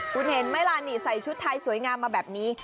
คุณเห็นไหมล่ะนี่ใส่ชุดไทยสวยงามมาแบบนี้